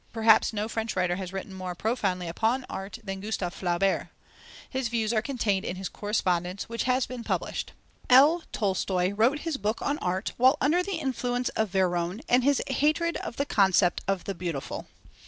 Perhaps no French writer has written more profoundly upon art than Gustave Flaubert. His views are contained in his Correspondence, which has been published. L. Tolstoï wrote his book on art while under the influence of Véron and his hatred of the concept of the beautiful.